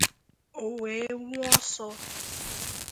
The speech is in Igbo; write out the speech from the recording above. o wee wụọ ọsọ